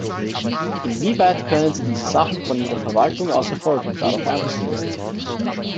Inwieweit können Sie diese Sachen von Ihrer Verwaltung aus verfolgen, darauf Einfluss nehmen?